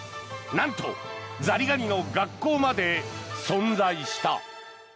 なんとザリガニの学校まで存在した。